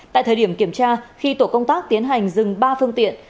tại thời điểm kiểm tra khi tổ công tác tiến hành dừng ba phương tiện